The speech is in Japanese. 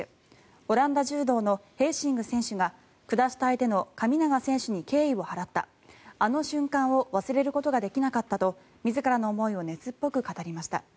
オランダ柔道のヘーシンク選手が下した相手の神永選手に敬意を払ったあの瞬間を忘れることができなかったと自らの思いを熱っぽく語りました。